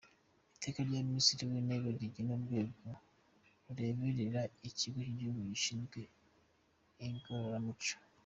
Iteka rya Minisitiri w’Intebe rigena Urwego Rureberera Ikigo cy’Igihugu gishinzwe Igororamuco ;